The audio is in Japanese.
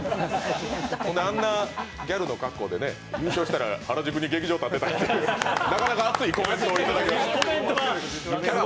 あんなギャルの格好で、優勝したら原宿に劇場建てたいってなかなか熱いコメントをいただきました。